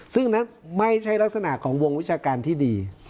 ซึ่งนั้นไม่ใช่ลักษณะของวงวิชาการที่ดี